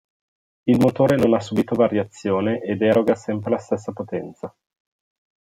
Il motore non ha subito variazione ed eroga sempre la stessa potenza.